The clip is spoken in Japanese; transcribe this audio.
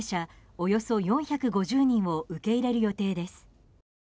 およそ４５０人を受け入れる予定です。